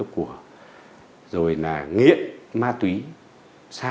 chuyển sang kiểm tra